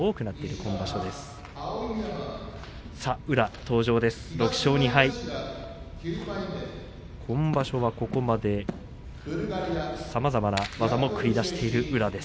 今場所は、ここまでさまざまな技も繰り出している宇良です。